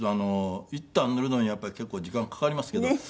一反塗るのにやっぱり結構時間かかりますけど。